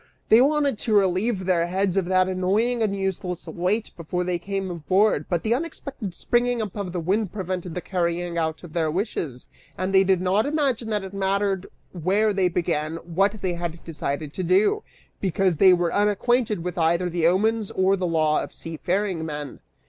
They wanted to relieve their heads of that annoying and useless weight before they came aboard, but the unexpected springing up of the wind prevented the carrying out of their wishes, and they did not imagine that it mattered where they began what they had decided to do, because they were unacquainted with either the omens or the law of seafaring men."